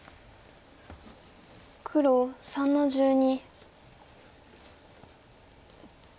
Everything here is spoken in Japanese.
黒３の十二。